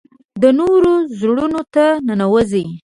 د نورو زړونو ته ننوځي .